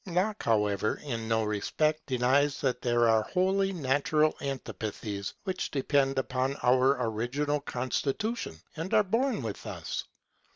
Locke, however, in no respect denies that there are wholly natural antipathies which depend upon our original constitution and are born, with us.